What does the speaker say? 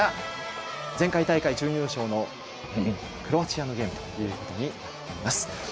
前回大会準優勝のクロアチアのゲームということになります。